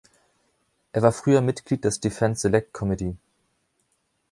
Er war früher Mitglied des Defence Select Committee.